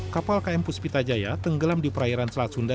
kapal km puspita jaya tenggelam di perairan selat sunda